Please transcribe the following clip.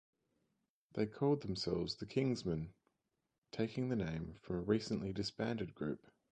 They called themselves the Kingsmen, taking the name from a recently disbanded group.